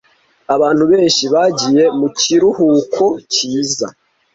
Abantu benshi bagiye mu kiruhuko cyiza